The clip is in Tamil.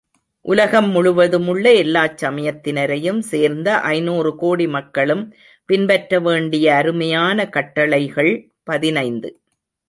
உலகம் முழுவதுமுள்ள எல்லாச் சமயத்தினரையும் சேர்ந்த ஐநூறு கோடி மக்களும் பின்பற்ற வேண்டிய அருமையான கட்டளைகள், பதினைந்து .